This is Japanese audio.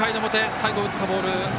最後打ったボール。